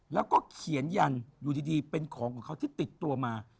แล้วก็เขียนยันอยู่ดีเป็นของของเขาที่ติดตัวมา